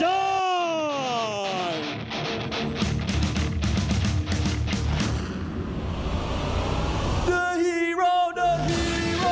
เรามีเงินละวันที่จะแจกให้กับผู้มวยมันผู้มวยสนุกครับ